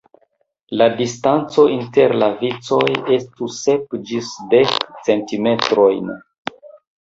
La distanco inter la vicoj estu sep ĝis dek centimetrojn.